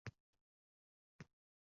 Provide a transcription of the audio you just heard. Aytish kerak u to‘dadan kestin